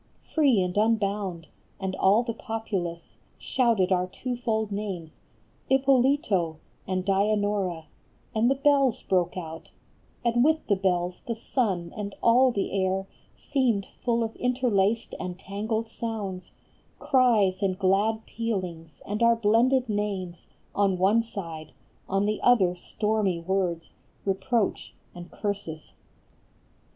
Free and unbound ! and all the populace Shouted our twofold names, " Ippolito And Dianora," and the bells broke out, And with the bells the sun and all the air Seemed full of interlaced and tangled sounds, Cries and glad pealings and our blended names On one side ; on the other stormy words, Reproach, and curses.